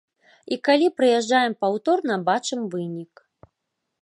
І калі прыязджаем паўторна, бачым вынік.